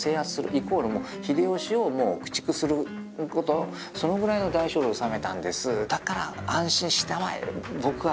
イコール秀吉を駆逐する事そのぐらいの大勝利を収めたんです。